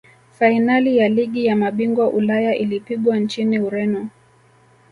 fainali ya ligi ya mabingwa ulaya ilipigwa nchini ureno